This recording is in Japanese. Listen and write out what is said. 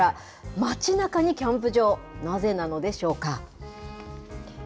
街なかにキャンプ場、なぜなのでしょうか。